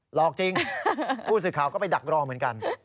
หลอกจริงผู้สื่อข่าวก็ไปดักรอเหมือนกัน